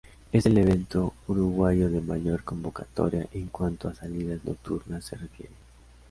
Es el evento uruguayo de mayor convocatoria en cuanto a salidas nocturnas se refiere.